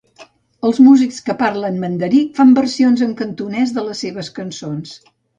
Els músics que parlen mandarí fan versions en cantonès de les seves cançons.